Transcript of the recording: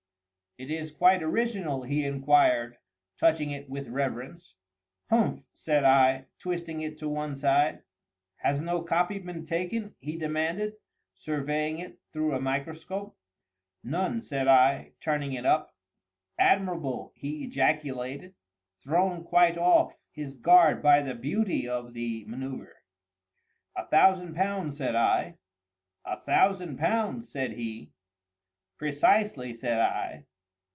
"Is it quite original?" he inquired; touching it with reverence. "Humph!" said I, twisting it to one side. "Has no copy been taken?" he demanded, surveying it through a microscope. "None," said I, turning it up. "Admirable!" he ejaculated, thrown quite off his guard by the beauty of the manœuvre. "A thousand pounds," said I. "A thousand pounds?" said he. "Precisely," said I.